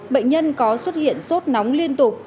bệnh nhân có xuất hiện sốt nóng liên tục